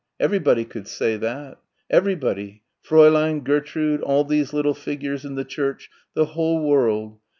Everybody could say that. Everybody Fräulein, Gertrude, all these little figures in the church, the whole world.